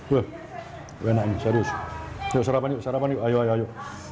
hai berkenaan serius serapan serapan yuk ayo ayo